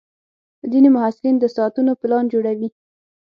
ځینې محصلین د ساعتونو پلان جوړوي.